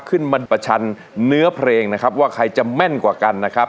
ขึ้นมันประชันเนื้อเพลงนะครับว่าใครจะแม่นกว่ากันนะครับ